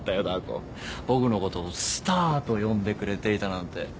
ダー子僕のことをスタアと呼んでくれていたなんて。